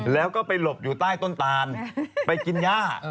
แล้วก็ไปหลบอยู่ใต้ต้นตานไปกินย่า